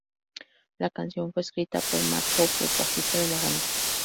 La canción fue escrita por Mark Hoppus, bajista de la banda.